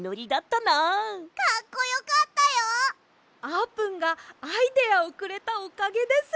あーぷんがアイデアをくれたおかげです。